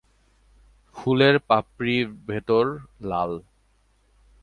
ফুলের পাপড়ির ভেতর লাল।